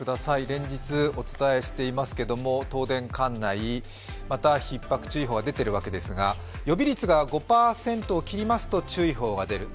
連日お伝えしていますけれども東電管内またひっ迫注意報が出ているわけですが予備率が５％を切りますと注意報が出る。